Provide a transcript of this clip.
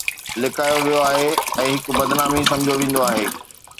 لڪايو ويو آهي ۽ هڪ بدنامي سمجهيو ويندو آهي